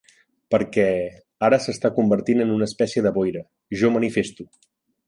Per què, ara s'està convertint en una espècie de boira, jo manifesto!